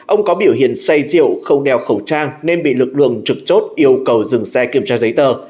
ông có biểu hiện say rượu không đeo khẩu trang nên bị lực lượng trực chốt yêu cầu dừng xe kiểm tra giấy tờ